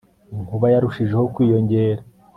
inkuba yarushijeho kwiyongera